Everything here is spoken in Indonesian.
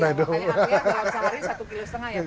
makanya harinya dalam sehari satu lima kg ya pak